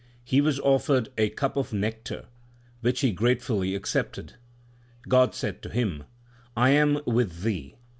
He was offered a cup of nectar, which he gratefully accepted. God said to him, I am with thee.